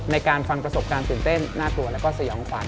ในการฟังประสบการณ์ตื่นเต้นน่ากลัวแล้วก็สยองขวัญ